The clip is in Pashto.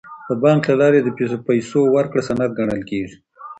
د بانک له لارې د پیسو ورکړه سند ګڼل کیږي.